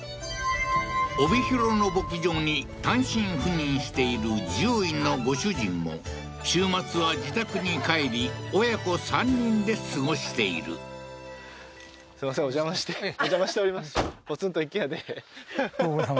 帯広の牧場に単身赴任している獣医のご主人も週末は自宅に帰り親子３人で過ごしているははははっ